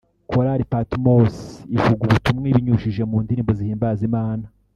Korali Patmos ivuga ubutumwa ibinyujije mu ndirimbo zihimbaza Imana